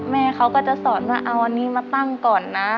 แม่เขาก็จะสอนว่าเอาอันนี้มาตั้งก่อนนะ